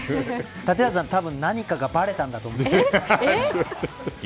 立岩さん、たぶん何かがばれたんだと思います。